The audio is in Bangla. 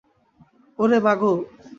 ওরে, মা গো।